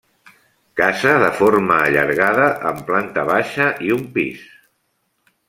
Casa de forma allargada amb planta baixa i un pis.